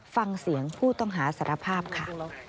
ฟังเสียงผู้ต้องหาสารภาพค่ะ